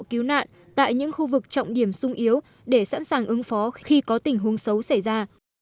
cứu nạn tại những khu vực trọng điểm sung yếu để sẵn sàng ứng phó khi có tình huống xấu xảy ra